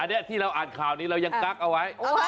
อันนี้ที่เราอ่านข่าวนี้เรายังกั๊กเอาไว้